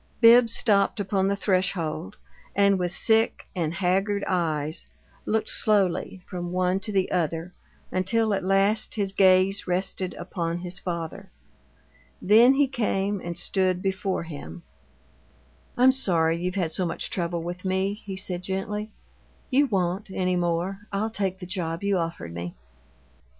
Bibbs stopped upon the threshold, and with sick and haggard eyes looked slowly from one to the other until at last his gaze rested upon his father. Then he came and stood before him. "I'm sorry you've had so much trouble with me," he said, gently. "You won't, any more. I'll take the job you offered me."